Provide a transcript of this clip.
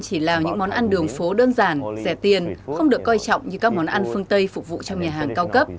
chỉ là những món ăn đường phố đơn giản rẻ tiền không được coi trọng như các món ăn phương tây phục vụ trong nhà hàng cao cấp